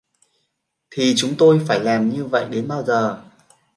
Thì chúng tôi phải làm như vậy đến bao giờ